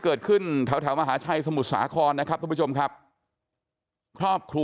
เกิดขึ้นถ้าว่ามาทมหาชัยสมุทรสาครนะครับต้องทนครับทอบครัว